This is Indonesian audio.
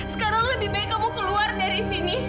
sekarang lebih baik kamu keluar dari sini